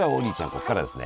ここからですね